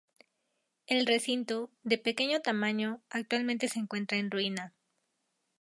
El recinto, de pequeño tamaño, actualmente se encuentra en ruina.